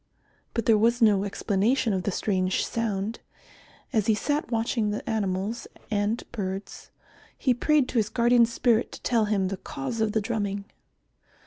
But there was no explanation of the strange sound. As he sat watching the animals and birds, he prayed to his guardian spirit to tell him the cause of the drumming.